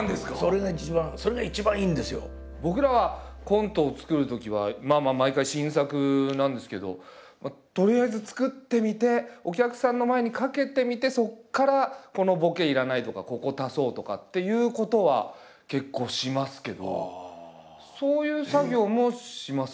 僕らはコントを作るときはまあ毎回新作なんですけどとりあえず作ってみてお客さんの前にかけてみてそこからこのボケ要らないとかここを足そうとかっていうことは結構しますけどそういう作業もしますか？